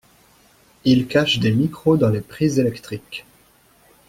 Ils cachent des micros dans les prises électriques.